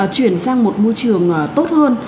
chuyển sang một môi trường tốt hơn